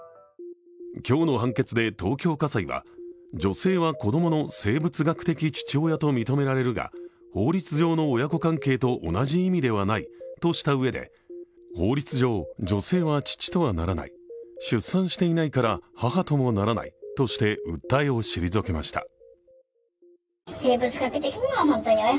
今日の判決で東京家裁は女性は子供の生物学的父親と認められるが法律上の親子関係と同じ意味ではないとしたうえで法律上、女性は父とはならない出産していないから母ともならないとして訴えを退けました。